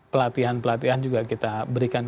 pelatihan pelatihan juga kita berikan